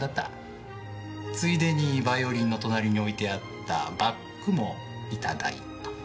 ついでにバイオリンの隣に置いてあったバッグも頂いた。